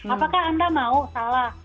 apakah anda mau salah